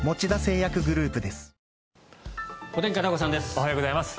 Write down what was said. おはようございます。